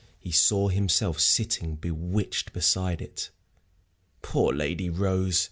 He saw himself sitting bewitched beside it. Poor Lady Rose!